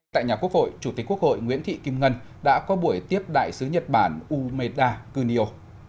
tại nhà quốc hội chủ tịch quốc hội nguyễn thị kim ngân đã có buổi tiếp đại sứ nhật bản umeda kunio